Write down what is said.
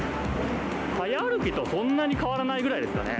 早歩きとそんなに変わらないぐらいですかね。